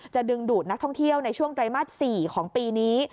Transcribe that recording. ดึงดูดนักท่องเที่ยวในช่วงไตรมาส๔ของปีนี้